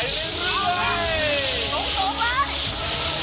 ถ้าเหงาเราก็กำลังทำแน่นเหมือนกัน